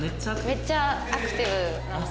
めっちゃアクティブなので。